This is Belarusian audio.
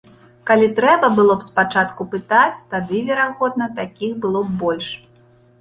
Калі трэба было б спачатку пытаць, тады, верагодна, такіх было б больш.